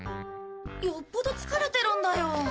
よっぽど疲れてるんだよ。